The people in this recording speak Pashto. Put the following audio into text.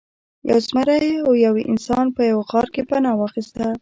یو زمری او یو انسان په یوه غار کې پناه واخیسته.